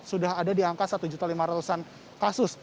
sudah ada di angka satu lima ratus an kasus